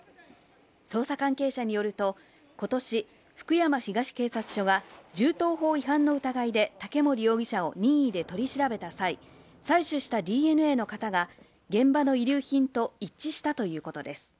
捜査関係者によると、今年、福山東警察署が銃刀法違反の疑いで竹森容疑者を任意で取り調べた際、採取したＤＮＡの型が現場の遺留品と一致したということです。